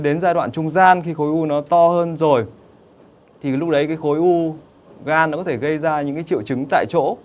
đến giai đoạn trung gian khi khối u nó to hơn rồi thì lúc đấy cái khối u gan nó có thể gây ra những cái triệu chứng tại chỗ